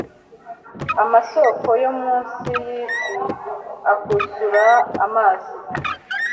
amasoko yo mu nsi y'isi akuzura amazi